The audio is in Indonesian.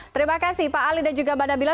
terima kasih pak ali dan juga bada bila